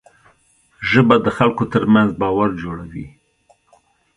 ژبه د خلکو ترمنځ باور جوړوي